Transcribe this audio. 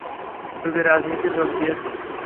ডুবে রাজনীতিতে যোগ দিয়েছে।